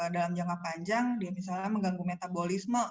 dalam jangka panjang dia misalnya mengganggu metabolisme